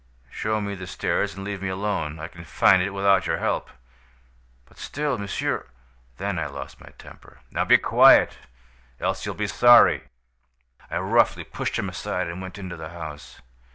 "'Show me the stairs and leave me alone. I can find it without your help.' "'But still monsieur ' "Then I lost my temper. "'Now be quiet! Else you'll be sorry!' "I roughly pushed him aside and went into the house.